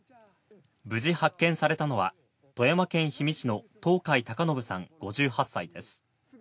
無事発見されたのは富山県氷見市の東海孝信さん５８歳です。